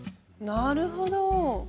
なるほど！